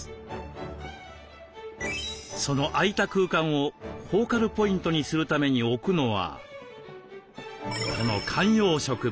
その空いた空間をフォーカルポイントにするために置くのはこの観葉植物。